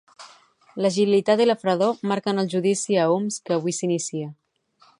L'agilitat i la fredor marquen el judici a Homs, que avui s'inicia.